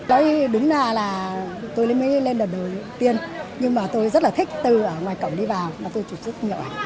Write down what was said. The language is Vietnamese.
đây đúng là tôi mới lên đợt đầu tiên nhưng mà tôi rất là thích từ ngoài cổng đi vào và tôi chụp rất nhiều ảnh